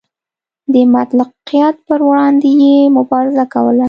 د مطلقیت پر وړاندې یې مبارزه کوله.